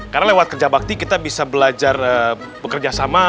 karena lewat kerja bakti kita bisa belajar bekerja sama